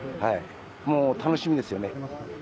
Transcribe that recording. もう楽しみですよね。